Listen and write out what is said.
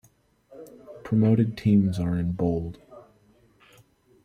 Promoted teams are in bold.